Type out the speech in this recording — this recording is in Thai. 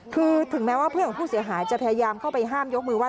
คือถึงแม้ว่าเพื่อนของผู้เสียหายจะพยายามเข้าไปห้ามยกมือว่า